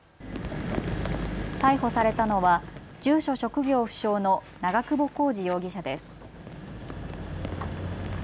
逮捕されたのは住所・職業不詳の長久保浩二容疑者です。